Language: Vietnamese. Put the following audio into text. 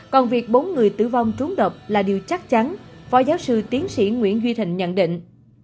còn việc bốn người tử vong trúng độc là điều chắc chắn phó giáo sư tiến sĩ nguyễn duy thịnh nhận định